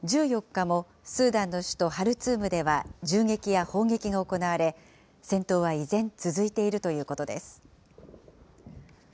現地からの報道によりますと、１４日もスーダンの首都ハルツームでは銃撃や砲撃が行われ、戦闘は依然、続いているということです。